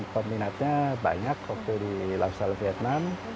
peminatnya banyak waktu di lafsal vietnam